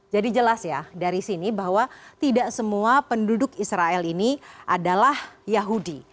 jadi jelas ya dari sini bahwa tidak semua penduduk israel ini adalah yahudi